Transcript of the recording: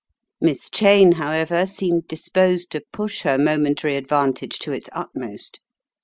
Miss Cheyne, however, seemed disposed to push her momentary advantage to its utmost.